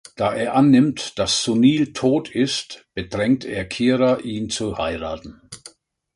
Da er annimmt, dass Sunil tot ist, bedrängt er Kira, ihn zu heiraten.